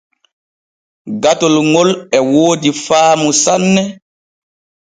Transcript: Gatol ŋol e woodi faamu sanne.